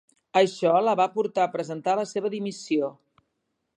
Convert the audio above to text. Això la va portar a presentar la seva dimissió.